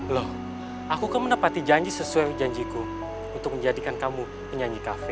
loh aku kamu menepati janji sesuai janjiku untuk menjadikan kamu penyanyi kafe